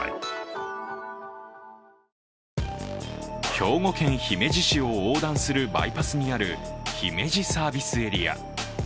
兵庫県姫路市を横断するバイパスにある姫路サービスエリア。